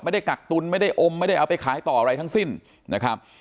กักตุนไม่ได้อมไม่ได้เอาไปขายต่ออะไรทั้งสิ้นนะครับ